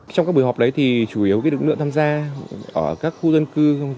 trong các buổi họp đấy thì chủ yếu lực lượng tham gia ở các khu dân cư